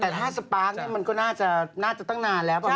แต่ถ้าสปาร์คเนี่ยมันก็น่าจะตั้งนานแล้วป่ะ